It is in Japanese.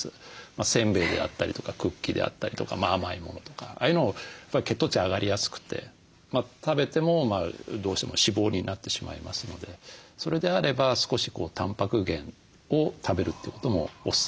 せんべいであったりとかクッキーであったりとか甘い物とかああいうの血糖値上がりやすくて食べてもどうしても脂肪になってしまいますのでそれであれば少したんぱく源を食べるということもおすすめしています。